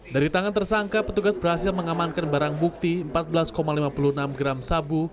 dari tangan tersangka petugas berhasil mengamankan barang bukti empat belas lima puluh enam gram sabu